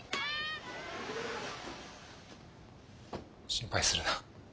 心配するな。